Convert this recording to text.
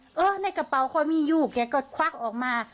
เออในกระเป๋าเขามีอยู่แกก็ควักออกมา